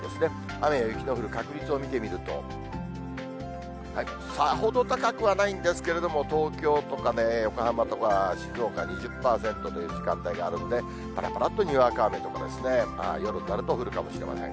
雨や雪の降る確率を見てみると、さほど高くはないんですけれども、東京とか横浜とか、静岡、２０％という時間帯があるんで、ぱらぱらっとにわか雨とか、夜になると、降るかもしれません。